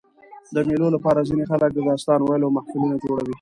د مېلو له پاره ځيني خلک د داستان ویلو محفلونه جوړوي.